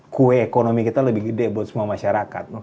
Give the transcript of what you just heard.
kue ekonomi kita lebih gede buat semua masyarakat